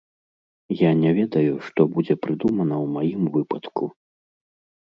Я не ведаю, што будзе прыдумана ў маім выпадку.